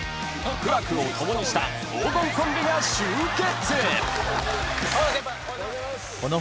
［苦楽を共にした黄金コンビが集結］